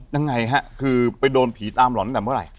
ยังไงฮะคือไปโดนผีตามหล่อนตั้งแต่เมื่อไหร่